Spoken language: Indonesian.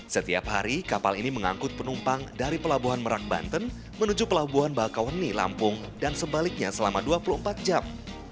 setiap hari kapal ini mengangkut penumpang dari pelabuhan merak banten menuju pelabuhan bakauheni lampung dan sebaliknya selama dua puluh empat jam